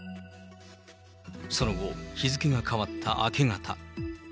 その後、日付が変わった明け方。